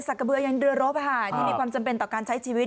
กระเบือยังเรือรบที่มีความจำเป็นต่อการใช้ชีวิต